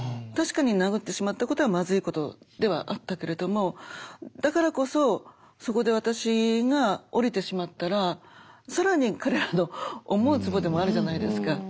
確かに殴ってしまったことはまずいことではあったけれどもだからこそそこで私が降りてしまったら更に彼らの思うつぼでもあるじゃないですか。